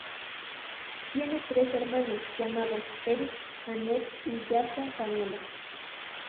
Tiene tres hermanos llamados Erick, Annette y Jason Canela.